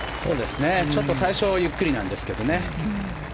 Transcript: ちょっと最初ゆっくりなんですけどね。